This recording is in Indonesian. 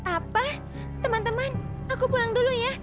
apa teman teman aku pulang dulu ya